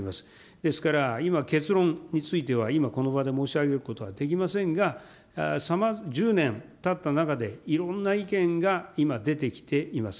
ですから、今、結論については今、この場で申し上げることはできませんが、１０年たった中で、いろんな意見が今出てきています。